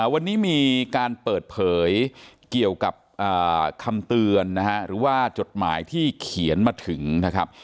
วันนี้มีการเปิดเผยเกี่ยวกับคำเตือนนะฮะหรือว่าจดหมายที่เขียนมาถึงนะครับ